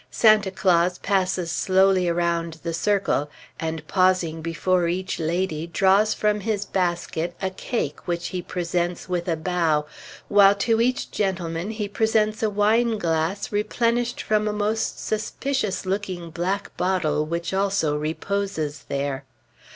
Santa Claus passes slowly around the circle, and pausing before each lady, draws from his basket a cake which he presents with a bow, while to each gentleman he presents a wineglass replenished from a most suspicious looking black bottle which also reposes there.